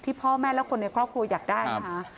พ่อแม่และคนในครอบครัวอยากได้นะคะ